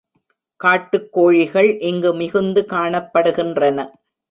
காட்டுக்கோழிகள் இங்கு மிகுந்து காணப்படுகின்றன.